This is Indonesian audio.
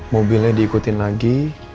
mobilnya diikutin lagi